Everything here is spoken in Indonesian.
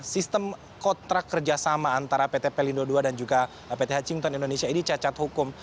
sistem kontrak kerjasama antara pt pelindo ii dan juga pt hachington indonesia ini cacat hukum